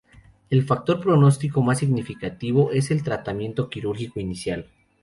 El factor de pronóstico más significativo es el tratamiento quirúrgico inicial.